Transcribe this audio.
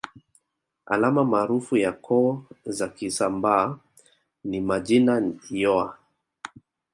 Alama maarufu ya koo za Kisambaa ni majina yoa